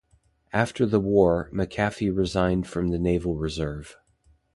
After the war, McAfee resigned from the Naval Reserve.